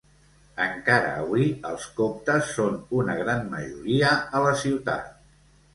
Encara avui els coptes són una gran majoria a la ciutat.